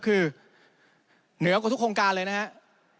คือเหนือกว่าทุกโครงการเลยนะครับ